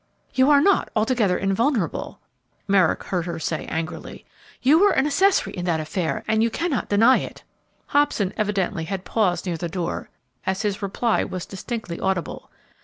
"You are not altogether invulnerable," Merrick heard her say, angrily. "You were an accessory in that affair, and you cannot deny it?" Hobson evidently had paused near the door, as his reply was distinctly audible.